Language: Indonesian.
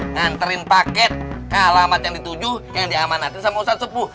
nganterin paket ke alamat yang dituju yang diamanatin sama ustadz sepuh